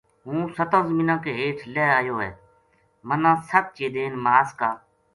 ہوں ستاں زمیناں کے ہیٹھ لہہ ایو ہے منا ست چیدین ماس کا